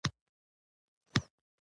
دغه فرمان له قانون او د ملي شـوري د